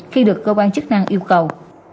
khi được cơ quan chức năng yêu cầu